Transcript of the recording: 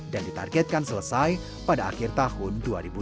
dan ditargetkan selesai pada akhir tahun dua ribu dua puluh satu